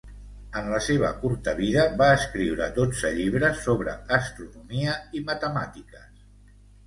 En la seva curta vida va escriure dotze llibres sobre astronomia i matemàtiques.